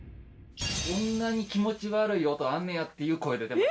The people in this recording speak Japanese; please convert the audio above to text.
こんなに気持ち悪い音あんねやっていう声出てます。